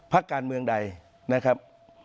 พักการเมืองใดนะครับ